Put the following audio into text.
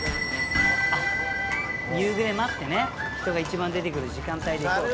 あっ夕暮れ待ってね人が一番出てくる時間帯でいこうと。